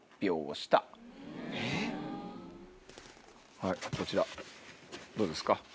はいこちらどうですか？